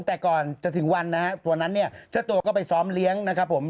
แต่ก่อนจะถึงวันนะฮะตัวนั้นเนี่ยเจ้าตัวก็ไปซ้อมเลี้ยงนะครับผม